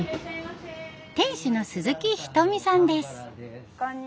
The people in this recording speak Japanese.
店主の鈴木瞳さんです。